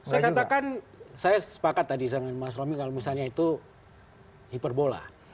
saya katakan saya sepakat tadi dengan mas romy kalau misalnya itu hiperbola